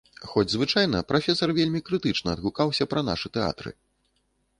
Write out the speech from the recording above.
Хоць звычайна прафесар вельмі крытычна адгукаўся пра нашы тэатры.